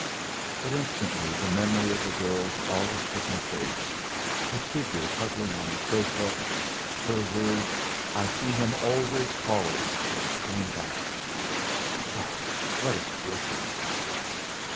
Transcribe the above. But instantly the memory of the girl's awe stricken face, her figure huddling on the sofa, her words "I see him always falling!" came back. God! What a business!